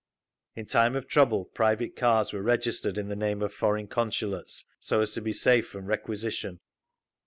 (In time of trouble private cars were registered in the name of foreign consulates, so as to be safe from requisition.)